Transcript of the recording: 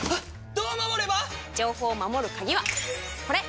どう守れば⁉情報を守る鍵はこれ！